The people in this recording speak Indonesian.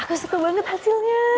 aku suka banget hasilnya